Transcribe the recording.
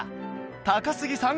高杉さん